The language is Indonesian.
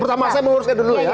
pertama saya menguruskan dulu ya